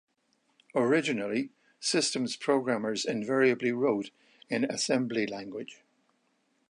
Originally systems programmers invariably wrote in assembly language.